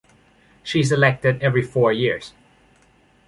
She’s elected every four years.